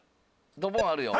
ドボンあるよ。